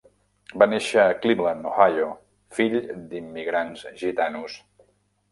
Va néixer a Cleveland Ohio, fill d'immigrants gitanos.